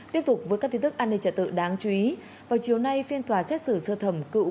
tiếp tục với các tin tức an ninh trả tự đáng chú ý vào chiều nay phiên tòa xét xử sơ thẩm cựu